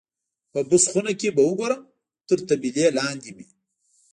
په بوس خونه کې به وګورم، تر طبیلې لاندې مې.